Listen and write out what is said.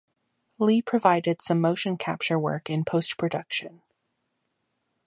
Lee provided some motion capture work in post-production.